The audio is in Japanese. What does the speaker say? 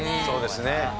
そうですね。